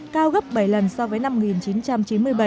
cao gấp bảy lần so với năm một nghìn chín trăm chín mươi bảy